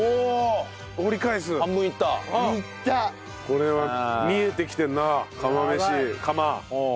これは見えてきてるな釜飯釜。